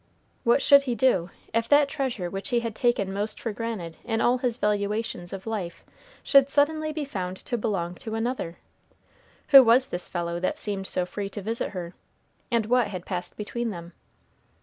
What should he do, if that treasure which he had taken most for granted in all his valuations of life should suddenly be found to belong to another? Who was this fellow that seemed so free to visit her, and what had passed between them?